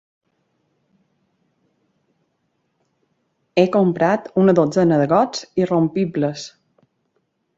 He comprat una dotzena de gots irrompibles.